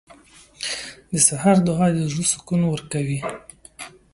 • د سهار دعا د زړه سکون ورکوي.